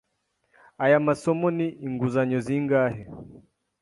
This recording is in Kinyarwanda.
Aya masomo ni inguzanyo zingahe?